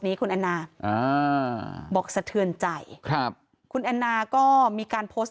เมืองก็ไม่ดีแบบสบายใจบางอย่าง